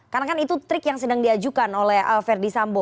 karena kan itu trik yang sedang diajukan oleh verdi sambo